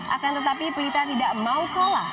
akan tetapi pelita tidak mau kalah